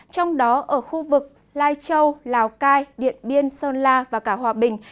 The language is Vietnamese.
trong đó ở khu vực lai châu lào cai điện biên sơn la và cả hòa bình